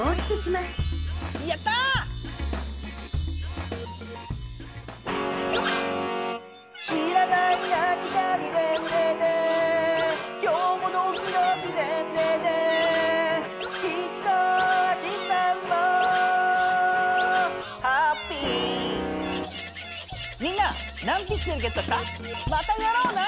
またやろうな！